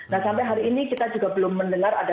nah sampai hari ini kita juga belum mendengar